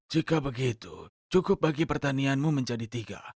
jika begitu cukup bagi pertanianmu menjadi tiga